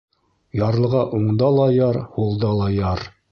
Ярлыға уңда ла яр, һулда ла яр.